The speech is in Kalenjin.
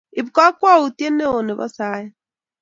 ib kakwoutie neo nebo saet